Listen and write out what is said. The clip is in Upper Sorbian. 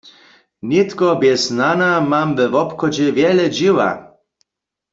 Nětko bjez nana mam we wobchodźe wjele dźěła.